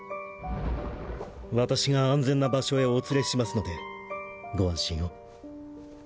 私が安全な場所へお連れしますのでご安心を。